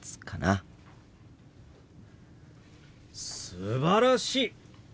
すばらしい！